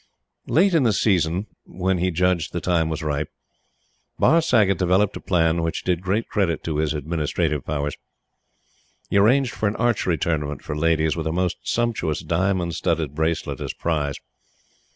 Late in the season, when he judged that the time was ripe, Barr Saggott developed a plan which did great credit to his administrative powers. He arranged an archery tournament for ladies, with a most sumptuous diamond studded bracelet as prize.